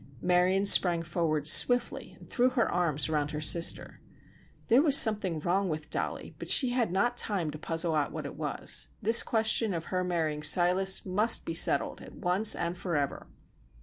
Marion sprang forward swiftly and threw her arms around her sister. There was something wrong with Dollie, but she had not time to puzzle out what it was—this question of her marrying Silas must be settled at once and forever.